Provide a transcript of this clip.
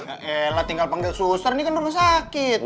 ya elah tinggal panggil suster nih kan lo gak sakit